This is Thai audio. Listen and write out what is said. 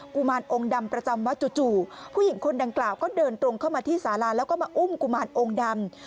ุมารองค์ดำประจำวัดจู่ผู้หญิงคนดังกล่าวก็เดินตรงเข้ามาที่สาราแล้วก็มาอุ้มกุมารองค์ดำ